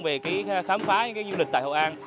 về khám phá những du lịch tại hội an